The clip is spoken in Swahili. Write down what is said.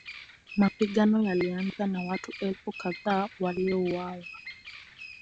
Mapigano yalianza na watu elfu kadhaa waliuawa.